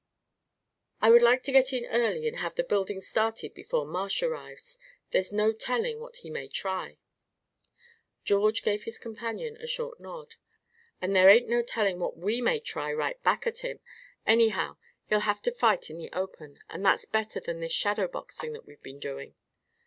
"I would like to get in early, and have the buildings started before Marsh arrives. There's no telling what he may try." George gave his companion a short nod. "And there ain't no telling what we may try right back at him. Anyhow, he'll have to fight in the open, and that's better than this shadow boxing that we've been doing."